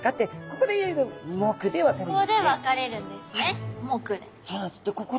ここで分かれるんですね目で。